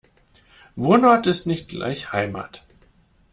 Wohnort ist nicht gleich Heimat.